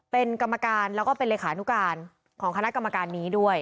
เป็นกรรมการแล้วก็เป็นเลขานุการของคณะกรรมการนี้ด้วย